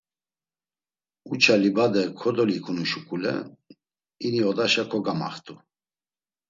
Uça libade kodolikunu şuǩule ini odaşa kogamaxt̆u.